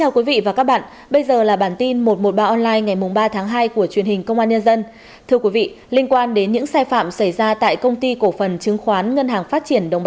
các bạn hãy đăng ký kênh để ủng hộ kênh của chúng mình nhé